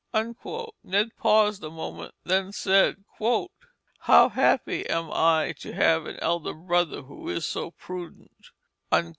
Ned paused a moment, then said, "How happy am I to have an elder brother who is so prudent."